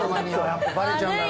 やっぱバレちゃうんだな。